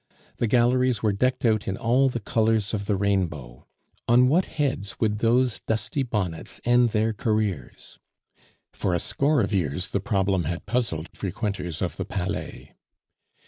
The galleries were decked out in all the colors of the rainbow. On what heads would those dusty bonnets end their careers? for a score of years the problem had puzzled frequenters of the Palais.